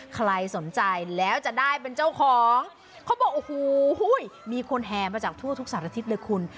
ใครสนใจแล้วจะได้เป็นเจ้าของเขาบอกโอ้โหมีคนแห่มาจากทั่วทุกสารทิศเลยคุณ